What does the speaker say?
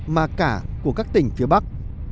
mà cả của các tỉnh phía bắc